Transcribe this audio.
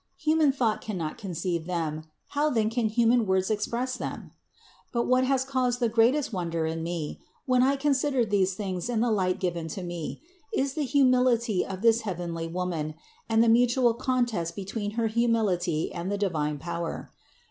Human thought cannot conceive them, how then can human words express them? But what has caused the greatest wonder in me, when I considered these things in the ligfat given to me, is the humility of this heavenly Woman and the mutual contest between her humility and the divine power.